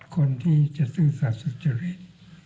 คนที่จะซื้อศาสตร์สุจริต